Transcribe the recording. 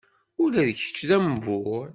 Ula d kečč d ambur?